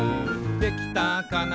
「できたかな